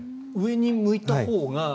上に向いたほうが。